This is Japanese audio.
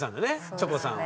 チョコさんは。